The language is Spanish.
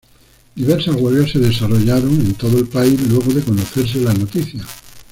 Diversas huelgas se desarrollaron en todo el país luego de conocerse la noticia.